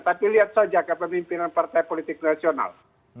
tapi lihat saja kepemimpinan partai politik nasional